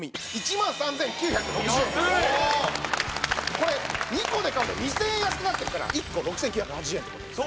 これ２個で買うと２０００円安くなってるから１個６９８０円って事です。